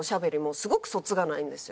すごくそつがないんですよ。